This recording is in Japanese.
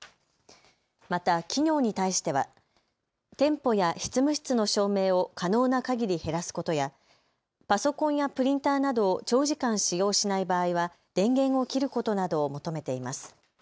また企業に対しては店舗や執務室の照明を可能なかぎり減らすことやパソコンやプリンターなどを長時間使用しない場合は電源を切ることなどを求めています。